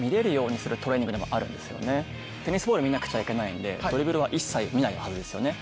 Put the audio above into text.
テニスボール見なくちゃいけないんでドリブルは一切見ないはずですよね。